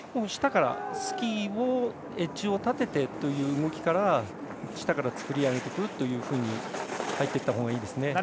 下からスキーのエッジを立ててという動きから下から作り上げていくというふうに入っていったほうがいいですね。